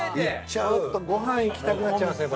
ちょっとご飯いきたくなっちゃいますね。